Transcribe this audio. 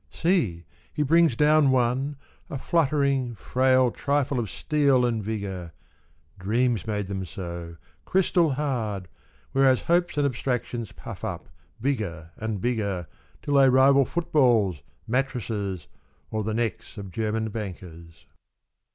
See, he brings down one, A fluttering, frail Trifle of steel and vigour (Dreams made them so, crystal hard. Whereas hopes and abstractions puff up, bigger and bigger, Till thev rival footballs, mattresses, or the necks of German bankers).